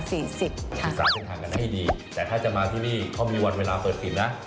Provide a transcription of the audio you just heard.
สาปรุงทางกันให้ดีแต่ถ้าจะมาที่นี่ก็มีวันเวลาเปิดผิดนะ